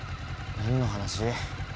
何の話？